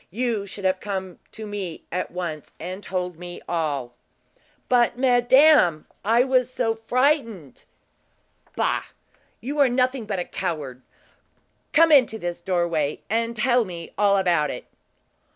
You should have come to me at once, and told me all." "But, madame, I was so frightened!" "Bah! You are nothing but a coward. Come into this doorway, and tell me all about it."